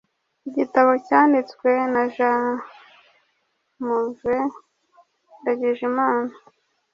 igitabo cyanditswe na jmv ndagijimana